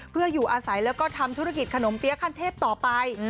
เพื่ออยู่อาศัยแล้วก็ทำธุรกิจขนมเปี๊ยะขั้นเทพต่อไป